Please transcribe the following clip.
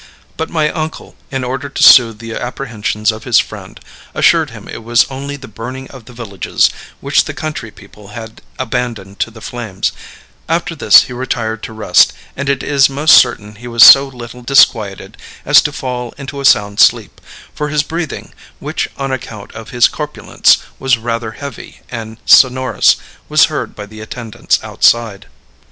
But my uncle, in order to soothe the apprehensions of his friend, assured him it was only the burning of the villages, which the country people had abandoned to the flames; after this he retired to rest, and it is most certain he was so little disquieted as to fall into a sound sleep, for his breathing, which on account of his corpulence was rather heavy and sonorous, was heard by the attendants outside.